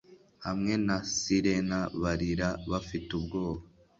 hamwe na sirena barira bafite ubwoba